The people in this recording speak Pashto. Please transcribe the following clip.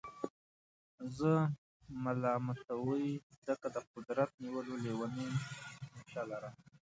زه ملامتوئ ځکه د قدرت نیولو لېونۍ نېشه لرم.